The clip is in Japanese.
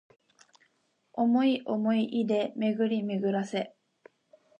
想おもい出で巡めぐらせ